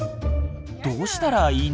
どうしたらいいの？